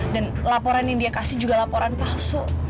dan laporan yang dia kasih juga laporan palsu